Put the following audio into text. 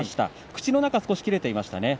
口の中が少し切れていました。